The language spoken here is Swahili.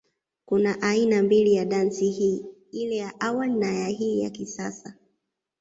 Kuna aina mbili ya dansi hii, ile ya awali na ya hii ya kisasa.